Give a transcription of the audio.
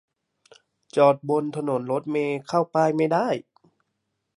จอดบนถนนรถเมล์เข้าป้ายไม่ได้